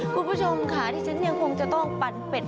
คุณผู้ชมค่ะที่ฉันยังคงจะต้องปั่นเป็ด